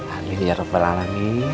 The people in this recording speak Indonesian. amin ya rabbal alamin